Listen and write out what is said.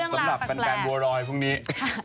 สำหรับแฟนบัวรอยพรุ่งนี้